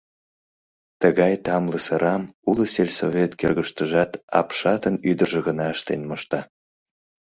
Тыгай тамле сырам уло сельсовет кӧргыштыжат апшатын ӱдыржӧ гына ыштен мошта.